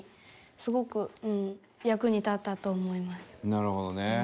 なるほどね。